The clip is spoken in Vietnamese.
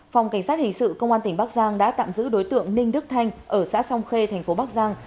phòng cảnh sát hình sự công an tỉnh bắc giang đã tạm giữ đối tượng ninh đức thanh ở xã song khê thành phố bắc giang